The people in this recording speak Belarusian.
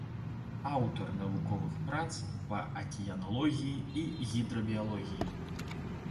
Аўтар навуковых прац па акіяналогіі і гідрабіялогіі.